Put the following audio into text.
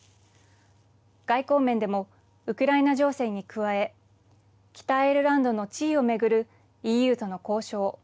外交面でもウクライナ情勢に加え北アイルランドの地位を巡るＥＵとの交渉